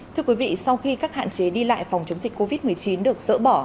thưa quý vị sau khi các hạn chế đi lại phòng chống dịch covid một mươi chín được dỡ bỏ